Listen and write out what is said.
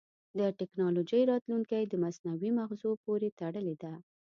د ټکنالوجۍ راتلونکی د مصنوعي مغزو پورې تړلی دی.